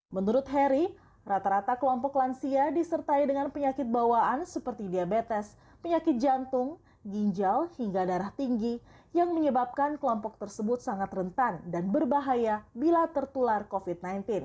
menurut heri rata rata kelompok lansia disertai dengan penyakit bawaan seperti diabetes penyakit jantung ginjal hingga darah tinggi yang menyebabkan kelompok tersebut sangat rentan dan berbahaya bila tertular covid sembilan belas